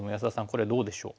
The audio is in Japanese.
これはどうでしょう？